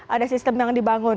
ada sistem yang dibangun